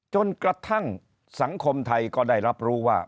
จนกระทั่งสังคมไทยก็ได้รับรู้ว่า